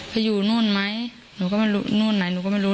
ไปอยู่นู่นไหมหนูก็ไม่รู้นู่นไหนหนูก็ไม่รู้